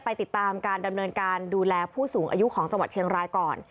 ติดตามการดำเนินการดูแลผู้สูงอายุของจังหวัดเชียงรายก่อน